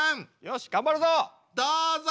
よし頑張るぞ！